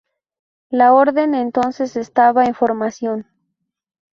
La orden, entonces, estaba en formación.